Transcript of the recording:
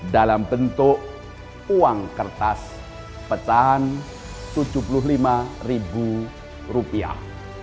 dalam bentuk uang kertas petahan tujuh puluh lima ribu rupiah